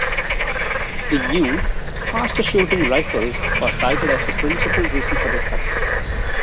The new, faster-shooting rifles are cited as the principal reason for their success.